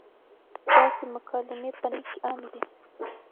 داسې مکالمې پۀ نړۍ کښې عامې دي -